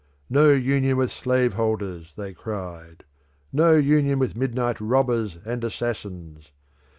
No union with slave holders! they cried. No union with midnight robbers and assassins!